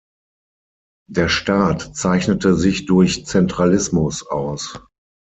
Der Staat zeichnete sich durch Zentralismus aus.